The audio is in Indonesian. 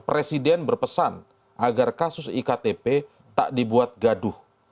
presiden berpesan agar kasus iktp tak dibuat gaduh